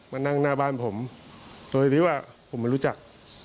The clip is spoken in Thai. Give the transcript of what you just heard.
มานั่งหน้าบ้านผมโดยที่ว่าผมไม่รู้จัก